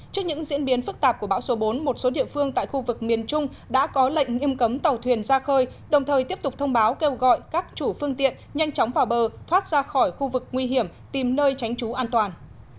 trước những diễn biến phức tạp của bão số bốn một số địa phương tại khu vực miền trung đã có lệnh nghiêm cấm tàu thuyền ra khơi đồng thời tiếp tục thông báo kêu gọi các chủ phương tiện nhanh chóng vào bờ thoát ra khỏi khu vực nguy hiểm tìm nơi tránh trú an toàn